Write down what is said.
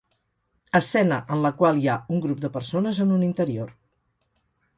Escena en la qual hi ha un grup de persones en un interior.